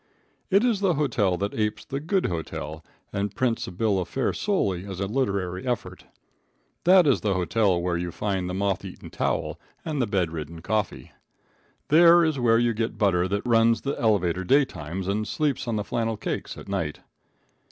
It is the hotel that apes the good hotel and prints a bill of fare solely as a literary effort. That is the hotel where you find the moth eaten towel and the bed ridden coffee. There is where you get butter that runs the elevator day times and sleeps on the flannel cakes at night.